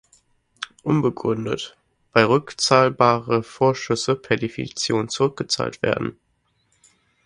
Unbegründet, weil rückzahlbare Vorschüsse per Definition zurückgezahlt werden.